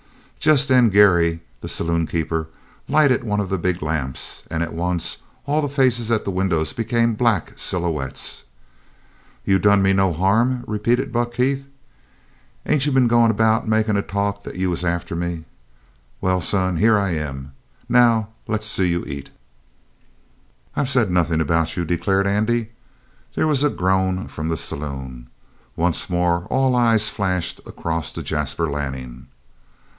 Just then Geary, the saloon keeper, lighted one of the big lamps, and at once all the faces at the windows became black silhouettes. "You done me no harm?" repeated Buck Heath. "Ain't you been goin' about makin' a talk that you was after me? Well, son, here I am. Now let's see you eat!" "I've said nothing about you," declared Andy. There was a groan from the saloon. Once more all eyes flashed across to Jasper Lanning.